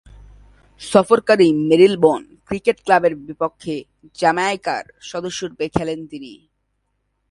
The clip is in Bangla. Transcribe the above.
সফরকারী মেরিলেবোন ক্রিকেট ক্লাবের বিপক্ষে জ্যামাইকার সদস্যরূপে খেলেন তিনি।